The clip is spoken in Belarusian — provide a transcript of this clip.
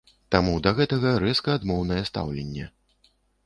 Таму да гэтага рэзка адмоўнае стаўленне.